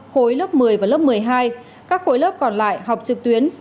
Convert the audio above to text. khối lớp một mươi và lớp một mươi hai các khối lớp còn lại học trực tuyến